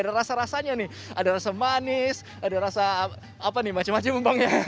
ada rasa rasanya nih ada rasa manis ada rasa apa nih macam macam ya